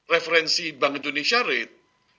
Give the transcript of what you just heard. referensi bank indonesia rate